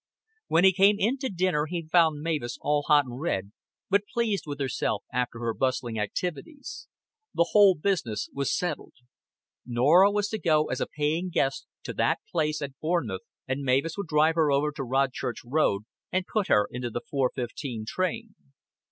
When he came in to dinner he found Mavis all hot and red, but pleased with herself after her bustling activities. The whole business was settled. Norah was to go as a paying guest to that place at Bournemouth, and Mavis would drive her over to Rodchurch Road and put her into the four fifteen train.